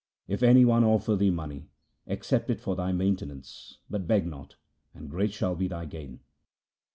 If any one offer thee money, accept it for thy maintenance, but beg not, and great shall be thy gain.'